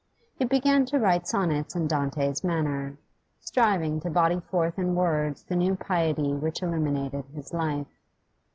He began to write sonnets in Dante's manner, striving to body forth in words the new piety which illumined his life.